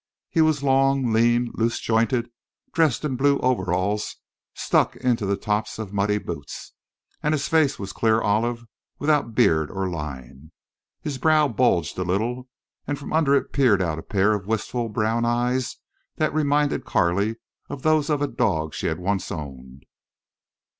He was long, lean, loose jointed, dressed in blue overalls stuck into the tops of muddy boots, and his face was clear olive without beard or line. His brow bulged a little, and from under it peered out a pair of wistful brown eyes that reminded Carley of those of a dog she had once owned.